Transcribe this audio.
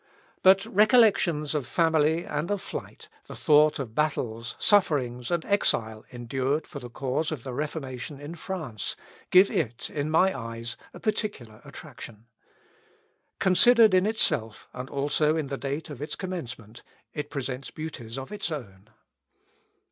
But recollections of family and of flight, the thought of battles, sufferings, and exile endured for the cause of the Reformation in France, give it, in my eyes, a peculiar attraction. Considered in itself, and also in the date of its commencement, it presents beauties of its own.